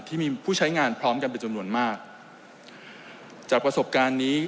ที่มีผู้ใช้งานพร้อมกันเป็นจำนวนมากจากประสบการณ์นี้